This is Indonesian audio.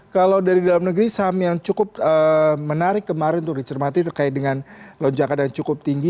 kalau dari dalam negeri saham yang cukup menarik kemarin untuk dicermati terkait dengan lonjakan yang cukup tinggi